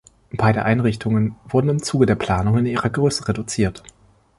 Beide Einrichtungen wurden im Zuge der Planung in ihrer Größe reduziert.